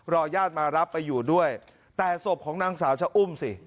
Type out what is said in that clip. ญาติมารับไปอยู่ด้วยแต่ศพของนางสาวชะอุ้มสิ